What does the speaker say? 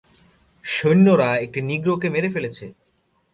সৈন্যরা একটা নিগ্রোকে মেরে ফেলেছে।